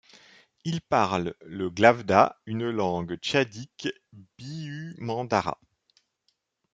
Ils parlent le glavda, une langue tchadique biu-mandara.